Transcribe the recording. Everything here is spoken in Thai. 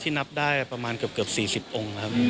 ที่นับได้ประมาณเกือบสี่สิบองค์ครับ